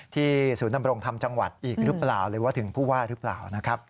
ที่ศูนย์นำรงทำจังหวัดอีกหรือเปล่าหรือถึงพู่ว่าหรือเปล่า